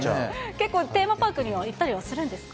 結構テーマパークには行ったりはするんですか？